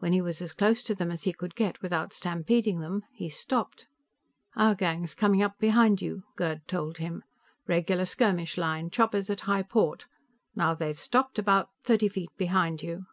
When he was as close to them as he could get without stampeding them, he stopped. "Our gang's coming up behind you," Gerd told him. "Regular skirmish line; choppers at high port. Now they've stopped, about thirty feet behind you."